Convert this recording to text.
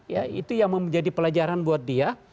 ya itu yang menjadi pelajaran buat dia